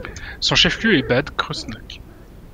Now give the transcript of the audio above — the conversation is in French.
Son chef lieu est Bad Kreuznach.